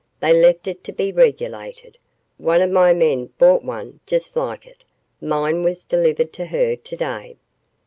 "They left it to be regulated. One of my men bought one just like it. Mine was delivered to her today."